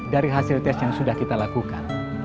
dari hasil tes yang sudah kita lakukan